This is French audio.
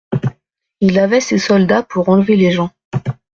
Il avait ses soldats pour enlever les gens.